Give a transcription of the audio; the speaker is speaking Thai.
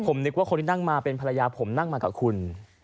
ผมนึกว่าคนที่นั่งมาเป็นภรรยาผมนั่งมากับคุณ